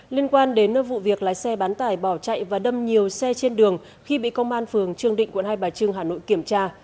liên quan đến vụ việc lái xe bán tải bỏ chạy và đâm nhiều xe trên đường khi bị công an phường trương định quận hai bà trưng hà nội kiểm tra